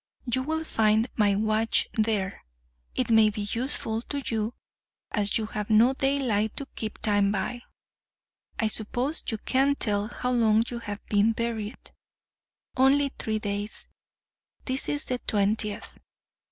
You will find my watch there—it may be useful to you, as you have no daylight to keep time by. I suppose you can't tell how long you have been buried—only three days—this is the twentieth.